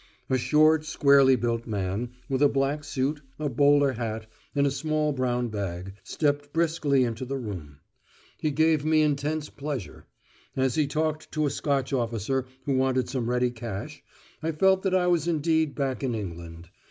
A short, squarely built man, with a black suit, a bowler hat, and a small brown bag, stepped briskly into the room. He gave me intense pleasure: as he talked to a Scotch officer who wanted some ready cash, I felt that I was indeed back in England.